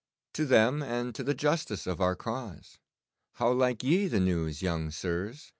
'To them and to the justice of our cause. How like ye the news, young sirs?